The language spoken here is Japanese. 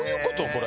これ。